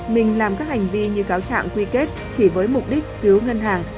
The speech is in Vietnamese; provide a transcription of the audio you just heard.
mình làm các hành vi như cáo trạng quy kết chỉ với mục đích cứu ngân hàng